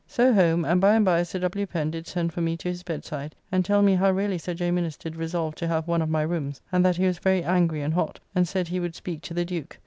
So home, and by and by Sir W. Pen did send for me to his bedside; and tell me how really Sir J. Minnes did resolve to have one of my rooms, and that he was very angry and hot, and said he would speak to the Duke.